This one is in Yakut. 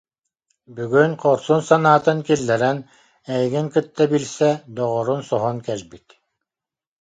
Бүгүн хорсун санаатын киллэрэн, эйигин кытта билсэ доҕорун соһон кэлбит